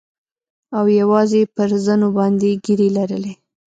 او يوازې يې پر زنو باندې ږيرې لرلې.